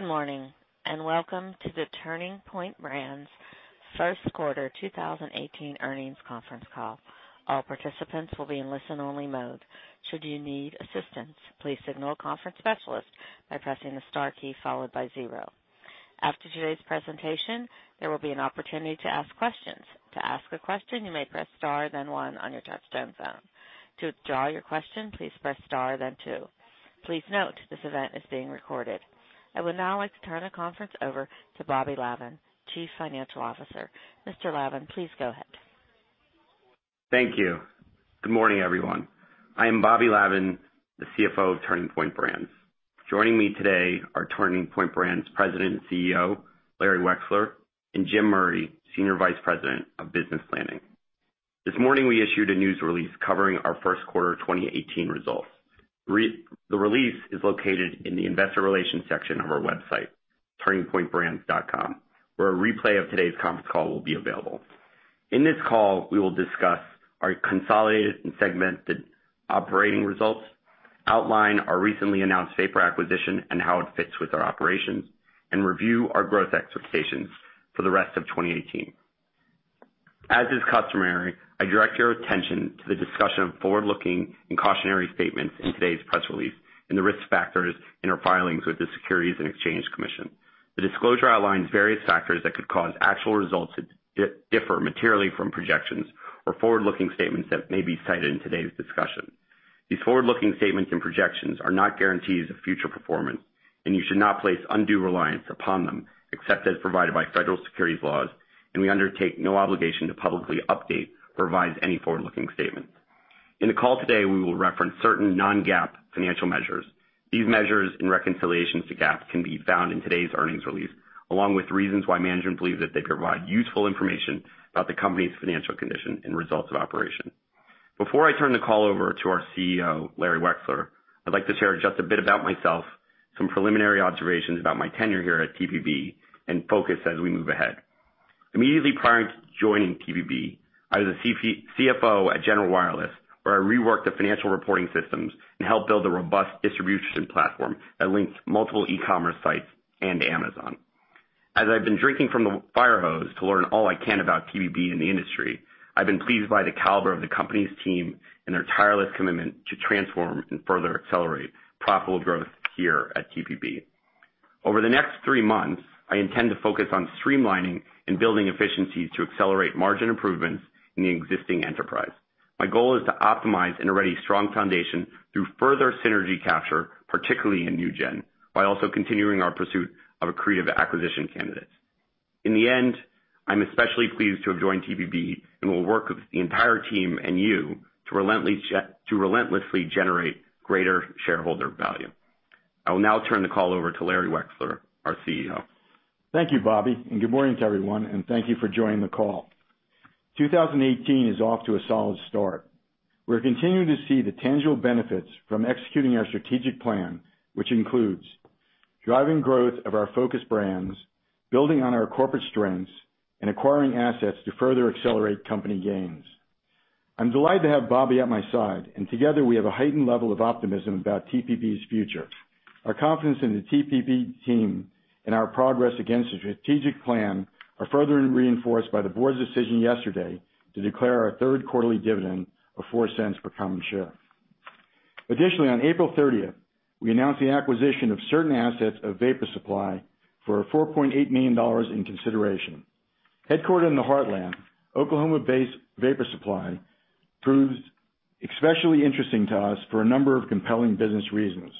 Good morning, and welcome to the Turning Point Brands' first quarter 2018 earnings conference call. All participants will be in listen-only mode. Should you need assistance, please signal a conference specialist by pressing the star key followed by zero. After today's presentation, there will be an opportunity to ask questions. To ask a question, you may press star then one on your touchtone phone. To withdraw your question, please press star then two. Please note, this event is being recorded. I would now like to turn the conference over to Robert Lavan, Chief Financial Officer. Mr. Lavan, please go ahead. Thank you. Good morning, everyone. I am Robert Lavan, the CFO of Turning Point Brands. Joining me today are Turning Point Brands President and CEO, Larry Wexler, and Jim Murray, Senior Vice President of Business Planning. This morning, we issued a news release covering our first quarter 2018 results. The release is located in the investor relations section of our website, turningpointbrands.com, where a replay of today's conference call will be available. In this call, we will discuss our consolidated and segmented operating results, outline our recently announced Vapor acquisition and how it fits with our operations, and review our growth expectations for the rest of 2018. As is customary, I direct your attention to the discussion of forward-looking and cautionary statements in today's press release, and the risk factors in our filings with the Securities and Exchange Commission. The disclosure outlines various factors that could cause actual results to differ materially from projections or forward-looking statements that may be cited in today's discussion. These forward-looking statements and projections are not guarantees of future performance, and you should not place undue reliance upon them, except as provided by federal securities laws, and we undertake no obligation to publicly update or revise any forward-looking statements. In the call today, we will reference certain non-GAAP financial measures. These measures and reconciliations to GAAP can be found in today's earnings release, along with reasons why management believes that they provide useful information about the company's financial condition and results of operation. Before I turn the call over to our CEO, Larry Wexler, I'd like to share just a bit about myself, some preliminary observations about my tenure here at TPB, and focus as we move ahead. Immediately prior to joining TPB, I was a CFO at General Wireless, where I reworked the financial reporting systems and helped build a robust distribution platform that links multiple e-commerce sites and Amazon. As I've been drinking from the fire hose to learn all I can about TPB and the industry, I've been pleased by the caliber of the company's team and their tireless commitment to transform and further accelerate profitable growth here at TPB. Over the next three months, I intend to focus on streamlining and building efficiencies to accelerate margin improvements in the existing enterprise. My goal is to optimize an already strong foundation through further synergy capture, particularly in New Gen, while also continuing our pursuit of accretive acquisition candidates. In the end, I'm especially pleased to have joined TPB, and will work with the entire team and you to relentlessly generate greater shareholder value. I will now turn the call over to Larry Wexler, our CEO. Thank you, Bobby, and good morning to everyone, and thank you for joining the call. 2018 is off to a solid start. We are continuing to see the tangible benefits from executing our strategic plan, which includes driving growth of our focus brands, building on our corporate strengths, and acquiring assets to further accelerate company gains. I am delighted to have Bobby at my side, and together we have a heightened level of optimism about TPB's future. Our confidence in the TPB team and our progress against the strategic plan are further reinforced by the board's decision yesterday to declare our third quarterly dividend of $0.04 per common share. Additionally, on April 30th, we announced the acquisition of certain assets of Vapor Supply for $4.8 million in consideration. Headquartered in the Heartland, Oklahoma-based Vapor Supply proves especially interesting to us for a number of compelling business reasons.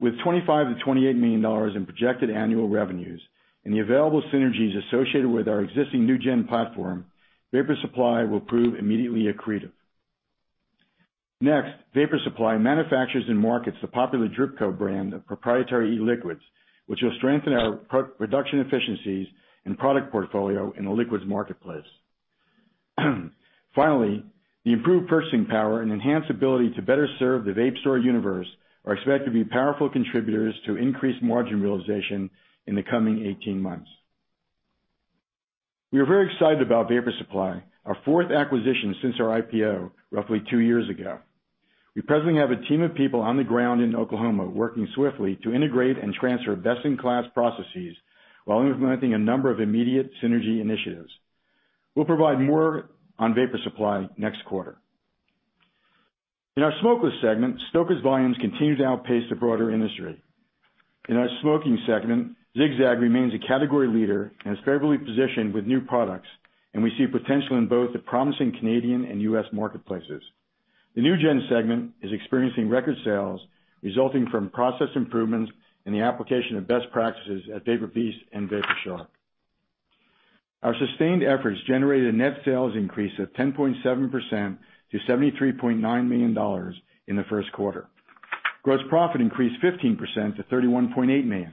With $25 million-$28 million in projected annual revenues and the available synergies associated with our existing New Gen platform, Vapor Supply will prove immediately accretive. Next, Vapor Supply manufactures and markets The Drip Co. brand of proprietary e-liquids, which will strengthen our production efficiencies and product portfolio in the liquids marketplace. Finally, the improved purchasing power and enhanced ability to better serve the vape store universe are expected to be powerful contributors to increased margin realization in the coming 18 months. We are very excited about Vapor Supply, our fourth acquisition since our IPO roughly two years ago. We presently have a team of people on the ground in Oklahoma working swiftly to integrate and transfer best-in-class processes while implementing a number of immediate synergy initiatives. We will provide more on Vapor Supply next quarter. In our smokeless segment, Stoker's volumes continue to outpace the broader industry. In our smoking segment, Zig-Zag remains a category leader and is favorably positioned with new products, and we see potential in both the promising Canadian and U.S. marketplaces. The New Gen segment is experiencing record sales resulting from process improvements in the application of best practices at VaporBeast and Vapor Shark. Our sustained efforts generated a net sales increase of 10.7% to $73.9 million in the first quarter. Gross profit increased 15% to $31.8 million.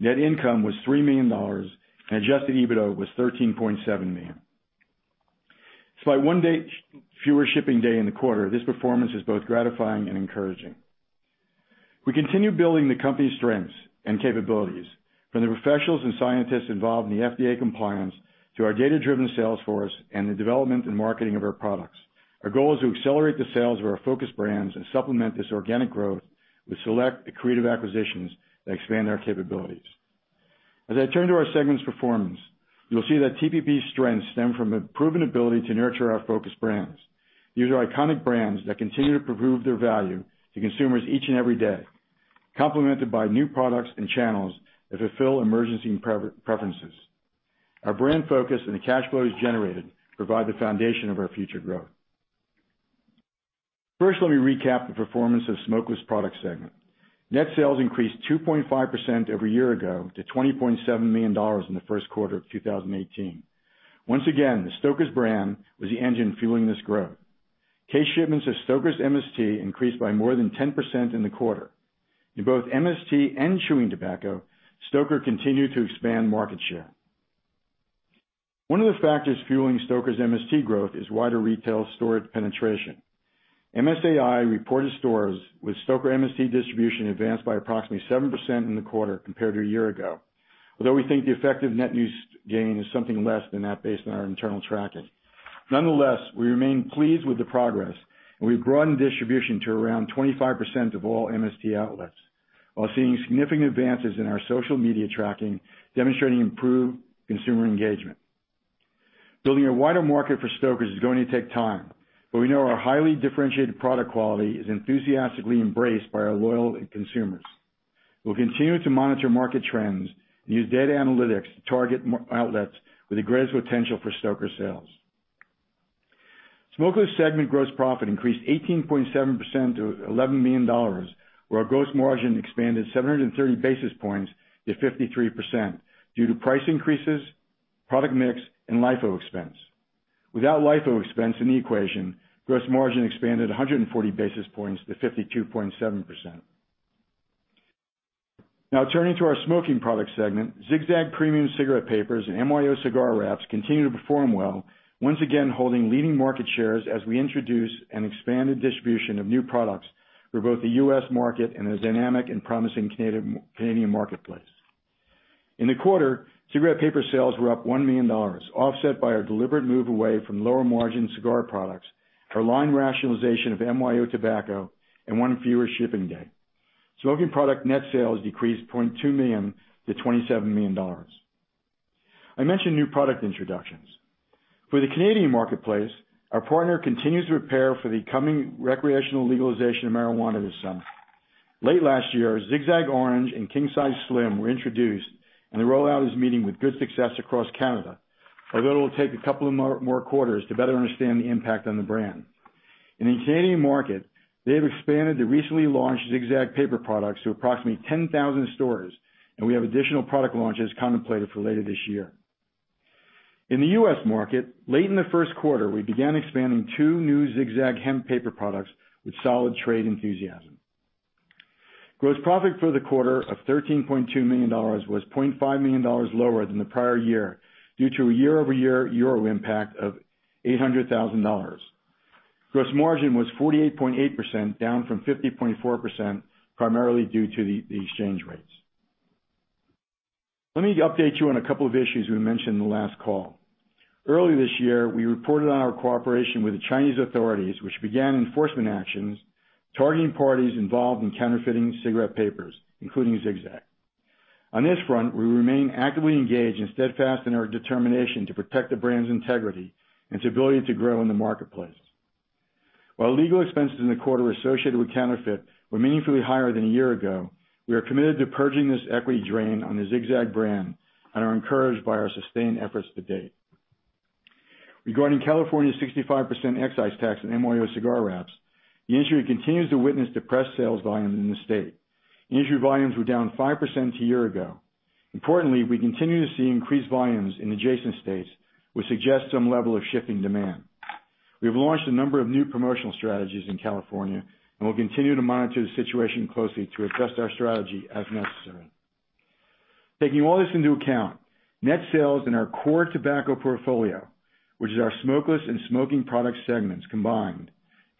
Net income was $3 million, and adjusted EBITDA was $13.7 million. Despite one fewer shipping day in the quarter, this performance is both gratifying and encouraging. We continue building the company's strengths and capabilities from the professionals and scientists involved in the FDA compliance to our data-driven sales force and the development and marketing of our products. Our goal is to accelerate the sales of our focused brands and supplement this organic growth with select accretive acquisitions that expand our capabilities. As I turn to our segments performance, you'll see that TPB's strengths stem from a proven ability to nurture our focused brands. These are iconic brands that continue to prove their value to consumers each and every day, complemented by new products and channels that fulfill emerging preferences. Our brand focus and the cash flows generated provide the foundation of our future growth. First, let me recap the performance of the smokeless product segment. Net sales increased 2.5% over a year ago to $20.7 million in the first quarter of 2018. Once again, the Stoker's brand was the engine fueling this growth. Case shipments of Stoker's MST increased by more than 10% in the quarter. In both MST and chewing tobacco, Stoker's continued to expand market share. One of the factors fueling Stoker's MST growth is wider retail store penetration. MSAi reported stores with Stoker's MST distribution advanced by approximately 7% in the quarter compared to a year ago. Although we think the effective net new gain is something less than that based on our internal tracking. Nonetheless, we remain pleased with the progress, and we've broadened distribution to around 25% of all MST outlets while seeing significant advances in our social media tracking, demonstrating improved consumer engagement. Building a wider market for Stoker's is going to take time, but we know our highly differentiated product quality is enthusiastically embraced by our loyal consumers. We'll continue to monitor market trends and use data analytics to target outlets with the greatest potential for Stoker's sales. Smokeless segment gross profit increased 18.7% to $11 million, where our gross margin expanded 730 basis points to 53% due to price increases, product mix, and LIFO expense. Without LIFO expense in the equation, gross margin expanded 140 basis points to 52.7%. Now turning to our smoking product segment, Zig-Zag premium cigarette papers and MYO cigar wraps continue to perform well, once again holding leading market shares as we introduce an expanded distribution of new products for both the U.S. market and the dynamic and promising Canadian marketplace. In the quarter, cigarette paper sales were up $1 million, offset by our deliberate move away from lower margin cigar products, our line rationalization of MYO Tobacco, and one fewer shipping day. Smoking product net sales decreased $0.2 million to $27 million. I mentioned new product introductions. For the Canadian marketplace, our partner continues to prepare for the coming recreational legalization of marijuana this summer. Late last year, Zig-Zag Orange and King Size Slim were introduced, and the rollout is meeting with good success across Canada, although it'll take a couple of more quarters to better understand the impact on the brand. In the Canadian market, they've expanded the recently launched Zig-Zag paper products to approximately 10,000 stores, and we have additional product launches contemplated for later this year. In the U.S. market, late in the first quarter, we began expanding two new Zig-Zag hemp paper products with solid trade enthusiasm. Gross profit for the quarter of $13.2 million was $0.5 million lower than the prior year due to a year-over-year euro impact of $800,000. Gross margin was 48.8%, down from 50.4%, primarily due to the exchange rates. Let me update you on a couple of issues we mentioned in the last call. Earlier this year, we reported on our cooperation with the Chinese authorities, which began enforcement actions targeting parties involved in counterfeiting cigarette papers, including Zig-Zag. On this front, we remain actively engaged and steadfast in our determination to protect the brand's integrity and its ability to grow in the marketplace. While legal expenses in the quarter associated with counterfeit were meaningfully higher than a year ago, we are committed to purging this equity drain on the Zig-Zag brand and are encouraged by our sustained efforts to date. Regarding California's 65% excise tax on MYO cigar wraps, the industry continues to witness depressed sales volume in the state. Industry volumes were down 5% to a year ago. Importantly, we continue to see increased volumes in adjacent states, which suggests some level of shifting demand. We've launched a number of new promotional strategies in California and will continue to monitor the situation closely to adjust our strategy as necessary. Taking all this into account, net sales in our core tobacco portfolio, which is our smokeless and smoking product segments combined,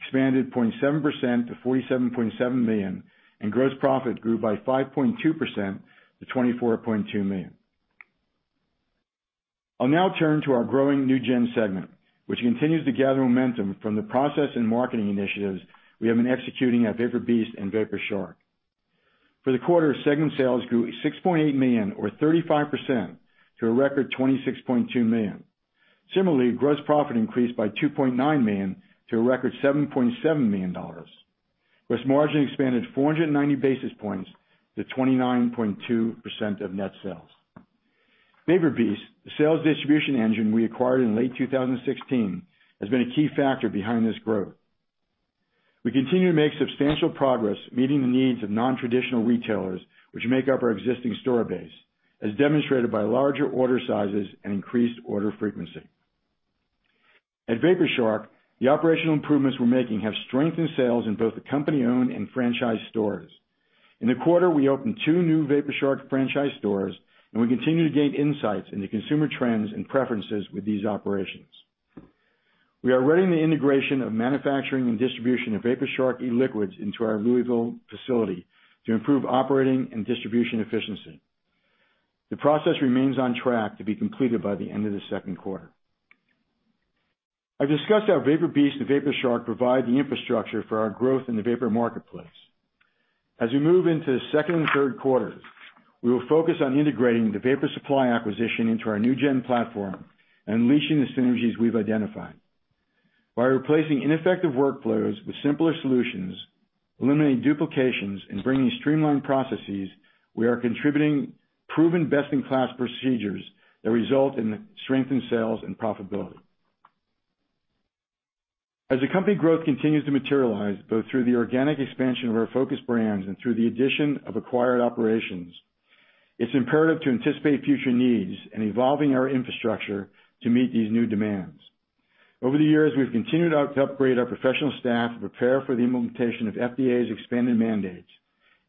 expanded 0.7% to $47.7 million and gross profit grew by 5.2% to $24.2 million. I'll now turn to our growing New Gen segment, which continues to gather momentum from the process and marketing initiatives we have been executing at VaporBeast and Vapor Shark. For the quarter, segment sales grew $6.8 million or 35% to a record $26.2 million. Similarly, gross profit increased by $2.9 million to a record $7.7 million. Gross margin expanded 490 basis points to 29.2% of net sales. VaporBeast, the sales distribution engine we acquired in late 2016, has been a key factor behind this growth. We continue to make substantial progress meeting the needs of non-traditional retailers which make up our existing store base, as demonstrated by larger order sizes and increased order frequency. At Vapor Shark, the operational improvements we're making have strengthened sales in both the company-owned and franchise stores. In the quarter, we opened two new Vapor Shark franchise stores, and we continue to gain insights into consumer trends and preferences with these operations. We are readying the integration of manufacturing and distribution of Vapor Shark e-liquids into our Louisville facility to improve operating and distribution efficiency. The process remains on track to be completed by the end of the second quarter. I've discussed how VaporBeast and Vapor Shark provide the infrastructure for our growth in the vapor marketplace. As we move into the second and third quarters, we will focus on integrating the Vapor Supply acquisition into our New Gen platform and unleashing the synergies we've identified. By replacing ineffective workflows with simpler solutions, eliminating duplications, and bringing streamlined processes, we are contributing proven best-in-class procedures that result in strengthened sales and profitability. As the company growth continues to materialize, both through the organic expansion of our focus brands and through the addition of acquired operations, it's imperative to anticipate future needs and evolving our infrastructure to meet these new demands. Over the years, we've continued to upgrade our professional staff to prepare for the implementation of FDA's expanded mandates.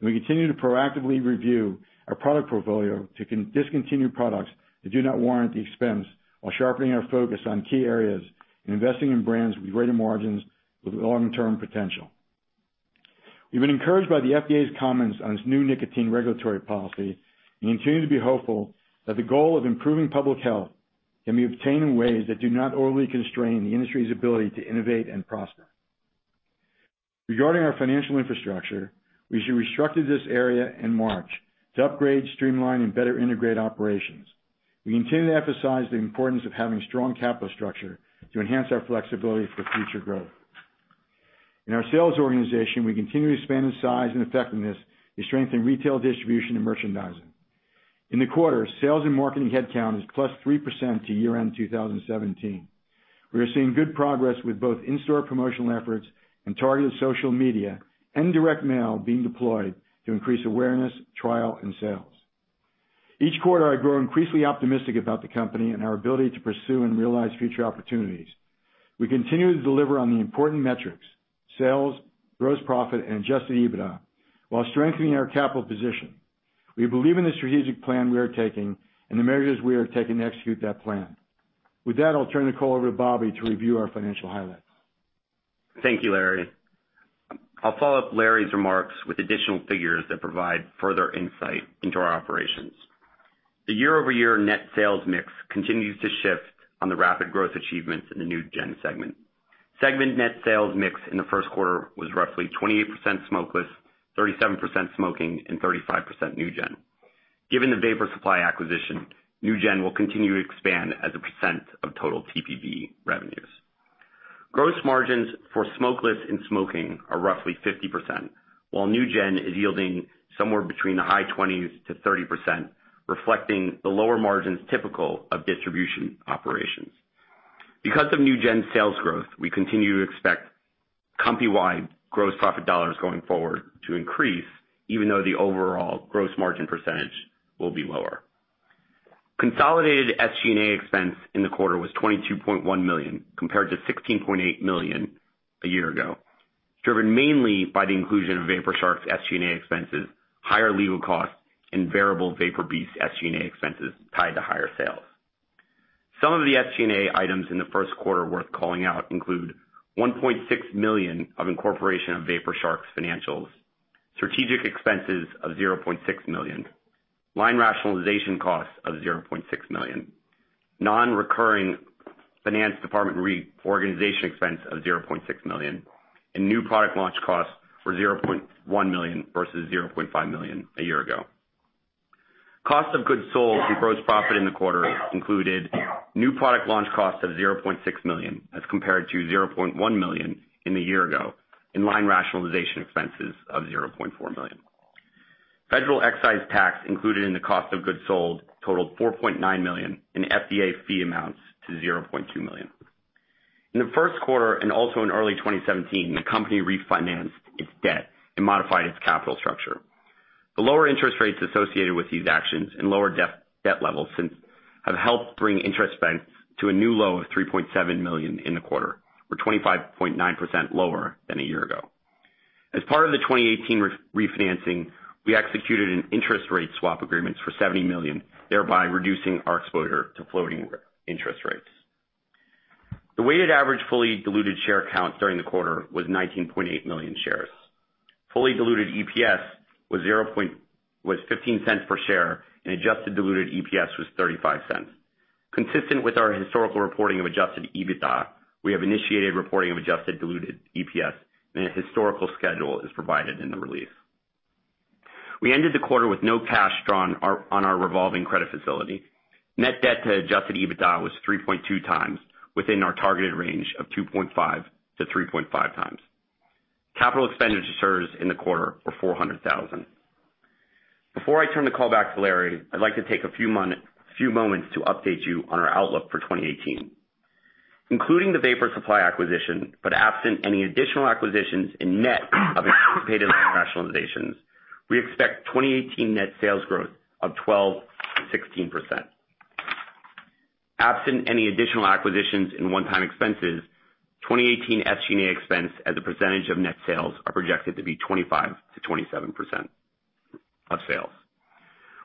We continue to proactively review our product portfolio to discontinue products that do not warrant the expense, while sharpening our focus on key areas and investing in brands with greater margins, with long-term potential. We've been encouraged by the FDA's comments on its new nicotine regulatory policy. We continue to be hopeful that the goal of improving public health can be obtained in ways that do not overly constrain the industry's ability to innovate and prosper. Regarding our financial infrastructure, we restructured this area in March to upgrade, streamline, and better integrate operations. We continue to emphasize the importance of having strong capital structure to enhance our flexibility for future growth. In our sales organization, we continue to expand in size and effectiveness to strengthen retail distribution and merchandising. In the quarter, sales and marketing headcount is +3% to year-end 2017. We are seeing good progress with both in-store promotional efforts and targeted social media and direct mail being deployed to increase awareness, trial, and sales. Each quarter, I grow increasingly optimistic about the company and our ability to pursue and realize future opportunities. We continue to deliver on the important metrics: sales, gross profit, and adjusted EBITDA while strengthening our capital position. We believe in the strategic plan we are taking and the measures we are taking to execute that plan. With that, I'll turn the call over to Bobby to review our financial highlights. Thank you, Larry. I'll follow up Larry's remarks with additional figures that provide further insight into our operations. The year-over-year net sales mix continues to shift on the rapid growth achievements in the New Gen segment. Segment net sales mix in the first quarter was roughly 28% smokeless, 37% smoking, and 35% New Gen. Given the Vapor Supply acquisition, New Gen will continue to expand as a percent of total TPB revenues. Gross margins for smokeless and smoking are roughly 50%, while New Gen is yielding somewhere between the high 20s-30%, reflecting the lower margins typical of distribution operations. Because of New Gen's sales growth, we continue to expect company-wide gross profit dollars going forward to increase, even though the overall gross margin percentage will be lower. Consolidated SG&A expense in the quarter was $22.1 million, compared to $16.8 million a year ago, driven mainly by the inclusion of Vapor Shark's SG&A expenses, higher legal costs, and variable VaporBeast SG&A expenses tied to higher sales. Some of the SG&A items in the first quarter worth calling out include $1.6 million of incorporation of Vapor Shark's financials, strategic expenses of $0.6 million, line rationalization costs of $0.6 million, non-recurring finance department reorganization expense of $0.6 million, and new product launch costs were $0.1 million versus $0.5 million a year ago. Cost of goods sold and gross profit in the quarter included new product launch costs of $0.6 million as compared to $0.1 million in the year ago, and line rationalization expenses of $0.4 million. Federal excise tax included in the cost of goods sold totaled $4.9 million, and FDA fee amounts to $0.2 million. In the first quarter, and also in early 2017, the company refinanced its debt and modified its capital structure. The lower interest rates associated with these actions and lower debt levels since have helped bring interest expense to a new low of $3.7 million in the quarter, or 25.9% lower than a year ago. As part of the 2018 refinancing, we executed an interest rate swap agreement for $70 million, thereby reducing our exposure to floating interest rates. The weighted average fully diluted share count during the quarter was 19.8 million shares. Fully diluted EPS was $0.15 per share, and adjusted diluted EPS was $0.35. Consistent with our historical reporting of adjusted EBITDA, we have initiated reporting of adjusted diluted EPS, and a historical schedule is provided in the release. We ended the quarter with no cash drawn on our revolving credit facility. Net debt to adjusted EBITDA was 3.2 times, within our targeted range of 2.5 to 3.5 times. Capital expenditures in the quarter were $400,000. Before I turn the call back to Larry, I'd like to take a few moments to update you on our outlook for 2018. Including the Vapor Supply acquisition, but absent any additional acquisitions in net of anticipated line rationalizations, we expect 2018 net sales growth of 12%-16%. Absent any additional acquisitions and one-time expenses, 2018 SG&A expense as a percentage of net sales are projected to be 25%-27% of sales.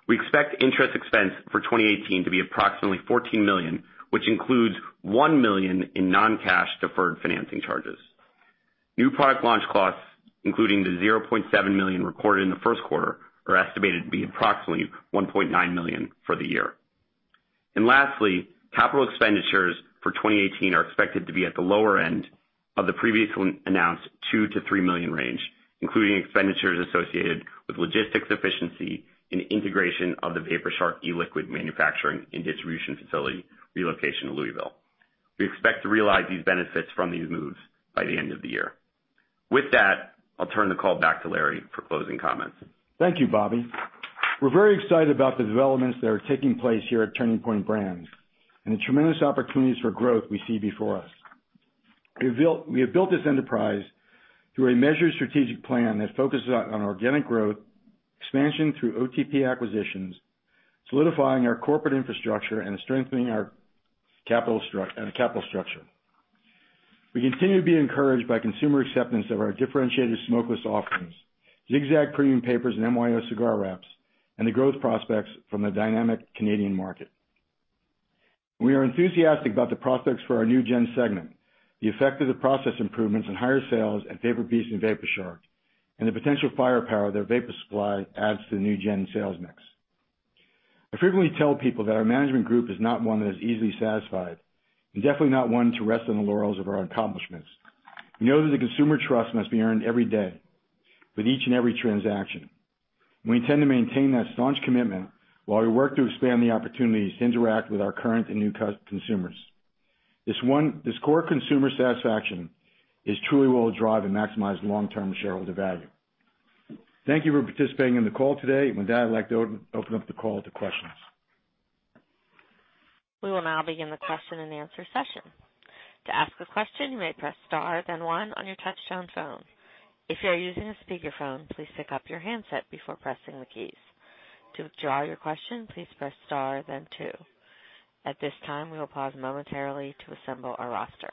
We expect interest expense for 2018 to be approximately $14 million, which includes $1 million in non-cash deferred financing charges. New product launch costs, including the $0.7 million recorded in the first quarter, are estimated to be approximately $1.9 million for the year. Lastly, capital expenditures for 2018 are expected to be at the lower end of the previously announced $2 million-$3 million range, including expenditures associated with logistics efficiency and integration of the Vapor Shark e-liquid manufacturing and distribution facility relocation to Louisville. We expect to realize these benefits from these moves by the end of the year. With that, I'll turn the call back to Larry for closing comments. Thank you, Bobby. We're very excited about the developments that are taking place here at Turning Point Brands and the tremendous opportunities for growth we see before us. We have built this enterprise through a measured strategic plan that focuses on organic growth, expansion through OTP acquisitions, solidifying our corporate infrastructure, and strengthening our capital structure. We continue to be encouraged by consumer acceptance of our differentiated smokeless offerings, Zig-Zag premium papers, and MYO cigar wraps, and the growth prospects from the dynamic Canadian market. We are enthusiastic about the prospects for our New Gen segment, the effect of the process improvements and higher sales at Vapor Beast and Vapor Shark, and the potential firepower their Vapor Supply adds to the New Gen sales mix. I frequently tell people that our management group is not one that is easily satisfied and definitely not one to rest on the laurels of our accomplishments. We know that the consumer trust must be earned every day with each and every transaction, and we intend to maintain that staunch commitment while we work to expand the opportunities to interact with our current and new consumers. This core consumer satisfaction is truly will drive and maximize long-term shareholder value. Thank you for participating in the call today. I'd like to open up the call to questions. We will now begin the question and answer session. To ask a question, you may press star then one on your touchtone phone. If you are using a speakerphone, please pick up your handset before pressing the keys. To withdraw your question, please press star then two. At this time, we will pause momentarily to assemble our roster.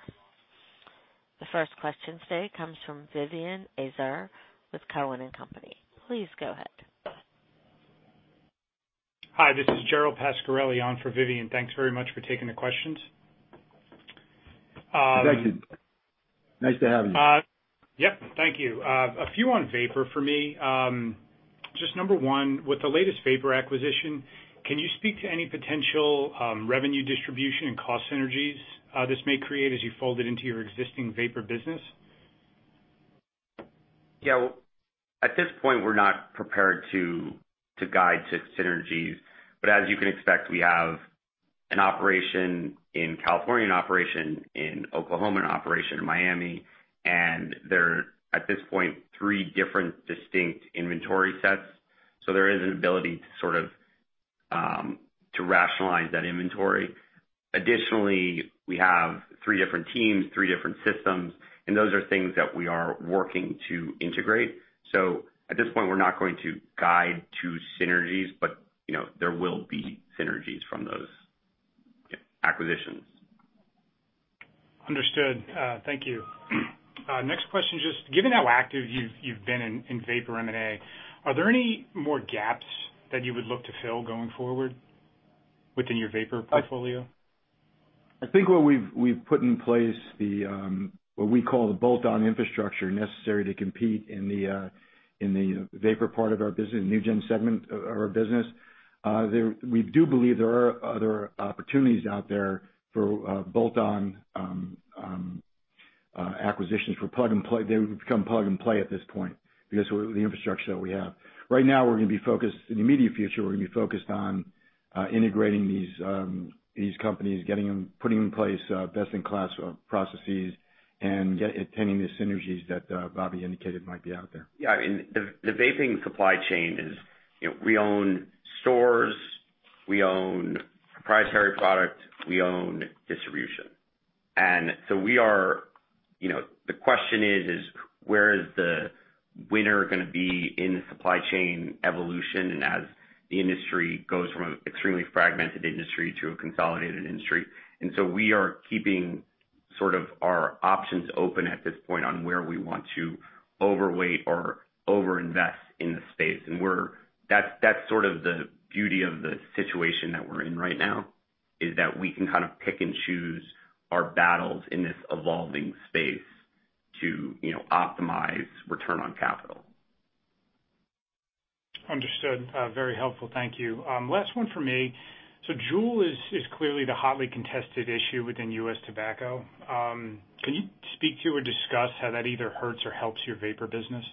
The first question today comes from Vivien Azer with Cowen and Company. Please go ahead. Hi, this is Gerald Pascarelli on for Vivien. Thanks very much for taking the questions. Thank you. Nice to have you. Yep. Thank you. A few on vapor for me. Number one, with the latest vapor acquisition, can you speak to any potential revenue distribution and cost synergies this may create as you fold it into your existing vapor business? Yeah. At this point, we're not prepared to guide to synergies. As you can expect, we have an operation in California, an operation in Oklahoma, an operation in Miami, and they're, at this point, three different distinct inventory sets. There is an ability to sort of rationalize that inventory. Additionally, we have three different teams, three different systems, and those are things that we are working to integrate. At this point, we're not going to guide to synergies, but there will be synergies from those acquisitions. Understood. Thank you. Next question, given how active you've been in vapor M&A, are there any more gaps that you would look to fill going forward within your vapor portfolio? I think what we've put in place, what we call the bolt-on infrastructure necessary to compete in the vapor part of our business, New Gen segment of our business. We do believe there are other opportunities out there for bolt-on acquisitions for plug and play. They would become plug and play at this point because the infrastructure that we have. Right now, in the immediate future, we're going to be focused on integrating these companies, putting in place best-in-class processes, and attending the synergies that Bobby indicated might be out there. Yeah. The vaping supply chain is, we own stores, we own proprietary product, we own distribution. The question is: where is the winner going to be in the supply chain evolution, and as the industry goes from an extremely fragmented industry to a consolidated industry? We are keeping sort of our options open at this point on where we want to overweight or overinvest in the space. That's sort of the beauty of the situation that we're in right now, is that we can kind of pick and choose our battles in this evolving space to optimize return on capital. Understood. Very helpful. Thank you. Last one from me. Juul is clearly the hotly contested issue within U.S. tobacco. Can you speak to or discuss how that either hurts or helps your vapor business?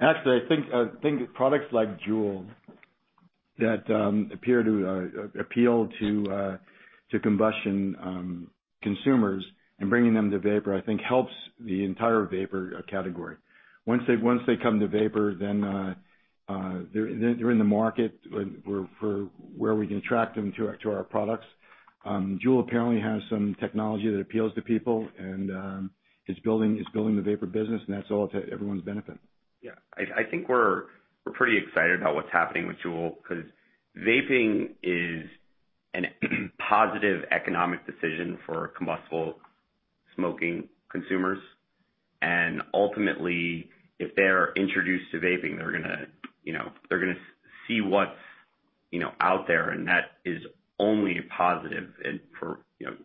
Actually, I think products like Juul that appear to appeal to combustion consumers and bringing them to vapor, I think helps the entire vapor category. Once they come to vapor, then they're in the market where we can attract them to our products. Juul apparently has some technology that appeals to people, and it's building the vapor business, and that's all to everyone's benefit. Yeah. I think we're pretty excited about what's happening with Juul because vaping is a positive economic decision for combustible smoking consumers. Ultimately, if they're introduced to vaping, they're going to see what's out there, and that is only a positive.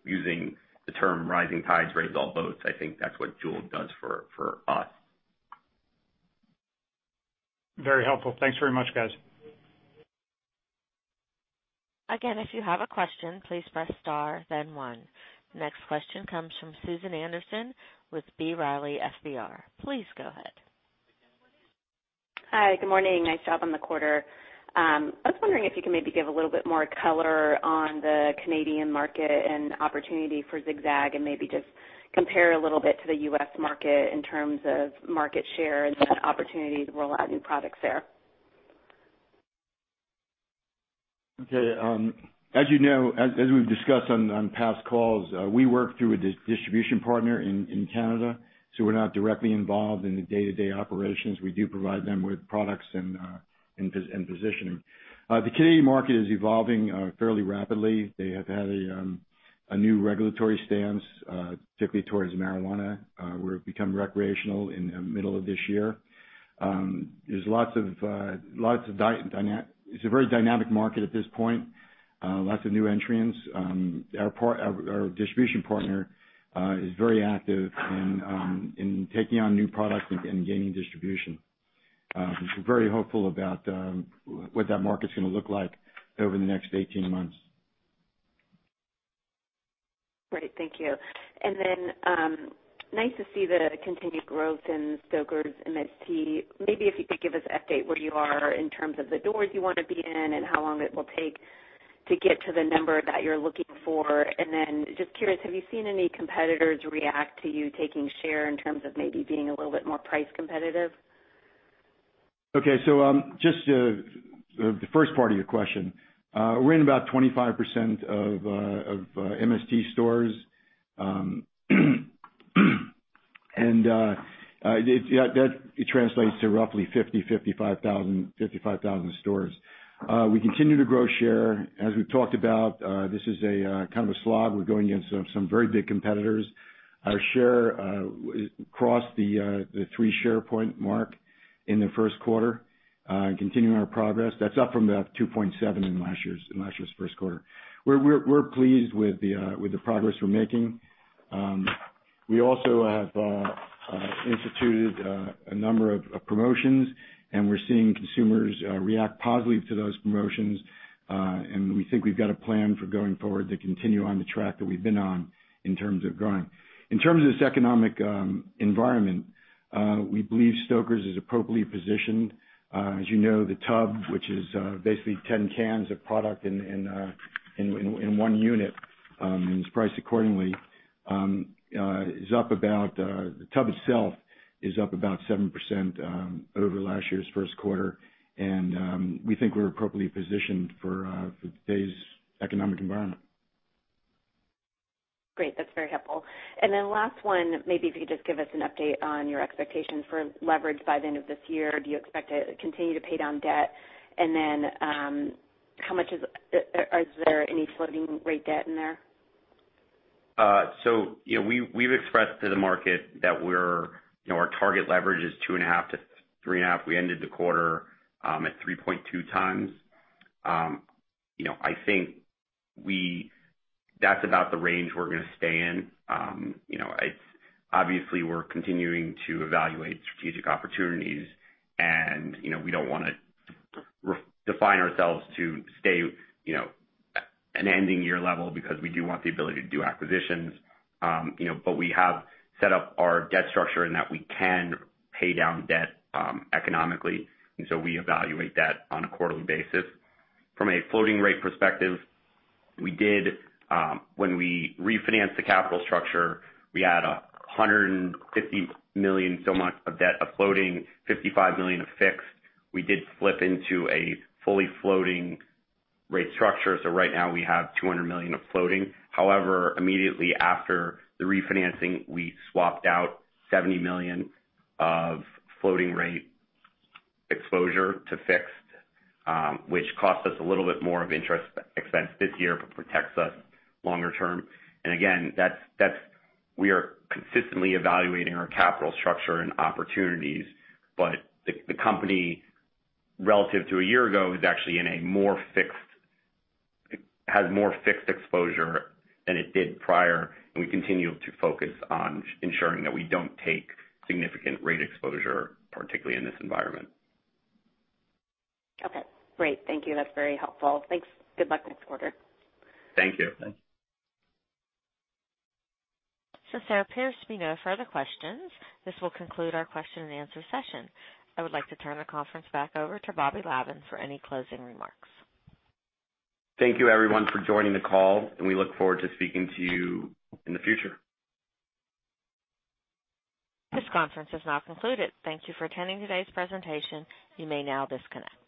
Using the term rising tides raise all boats, I think that's what Juul does for us. Very helpful. Thanks very much, guys. Again, if you have a question, please press star, then one. Next question comes from Susan Anderson with B. Riley FBR. Please go ahead. Hi. Good morning. Nice job on the quarter. I was wondering if you could maybe give a little bit more color on the Canadian market and opportunity for Zig-Zag, and maybe just compare a little bit to the U.S. market in terms of market share and then opportunities to roll out new products there. Okay. As you know, as we've discussed on past calls, we work through a distribution partner in Canada, so we're not directly involved in the day-to-day operations. We do provide them with products and positioning. The Canadian market is evolving fairly rapidly. They have had a new regulatory stance, particularly towards marijuana, where it become recreational in the middle of this year. It's a very dynamic market at this point. Lots of new entrants. Our distribution partner is very active in taking on new products and gaining distribution. We're very hopeful about what that market's going to look like over the next 18 months. Great. Thank you. Nice to see the continued growth in Stoker's MST. Maybe if you could give us an update where you are in terms of the doors you want to be in and how long it will take to get to the number that you're looking for. Just curious, have you seen any competitors react to you taking share in terms of maybe being a little bit more price competitive? Okay. Just the first part of your question. We're in about 25% of MST stores. It translates to roughly 50,000, 55,000 stores. We continue to grow share. As we've talked about, this is a kind of a slog. We're going against some very big competitors. Our share crossed the three share point mark in the first quarter and continuing our progress. That's up from about 2.7 in last year's first quarter. We're pleased with the progress we're making. We also have instituted a number of promotions, and we're seeing consumers react positively to those promotions. We think we've got a plan for going forward to continue on the track that we've been on in terms of growing. In terms of this economic environment, we believe Stoker's is appropriately positioned. As you know, the tub, which is basically 10 cans of product in one unit, and is priced accordingly. The tub itself is up about 7% over last year's first quarter. We think we're appropriately positioned for today's economic environment. Great. That's very helpful. Last one, maybe if you could just give us an update on your expectations for leverage by the end of this year. Do you expect to continue to pay down debt? Is there any floating rate debt in there? We've expressed to the market that our target leverage is 2.5-3.5. We ended the quarter at 3.2 times. I think that's about the range we're going to stay in. We're continuing to evaluate strategic opportunities, and we don't want to define ourselves to stay an ending year level because we do want the ability to do acquisitions. We have set up our debt structure in that we can pay down debt economically, we evaluate that on a quarterly basis. From a floating rate perspective, when we refinanced the capital structure, we had $150 million, so much of debt of floating, $55 million of fixed. We did flip into a fully floating rate structure. Right now, we have $200 million of floating. Immediately after the refinancing, we swapped out $70 million of floating rate exposure to fixed, which cost us a little bit more of interest expense this year, but protects us longer term. Again, we are consistently evaluating our capital structure and opportunities. The company, relative to a year ago, is actually in a more fixed, has more fixed exposure than it did prior, and we continue to focus on ensuring that we don't take significant rate exposure, particularly in this environment. Okay. Great. Thank you. That's very helpful. Thanks. Good luck next quarter. Thank you. There appears to be no further questions. This will conclude our question and answer session. I would like to turn the conference back over to Robert Lavan for any closing remarks. Thank you everyone for joining the call, and we look forward to speaking to you in the future. This conference is now concluded. Thank you for attending today's presentation. You may now disconnect.